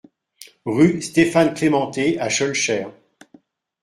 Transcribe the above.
Rue Stéphane Clémenté à Schœlcher